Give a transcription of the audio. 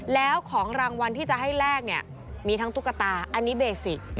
แล้วของรางวัลที่จะให้แลกเนี่ยมีทั้งตุ๊กตาอันนี้เบสิก